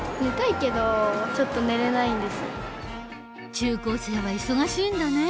中高生は忙しいんだね。